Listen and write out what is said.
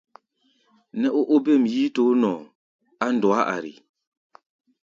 Nɛ́ ó óbêm yíítoó nɔʼɔ á ndɔá ari.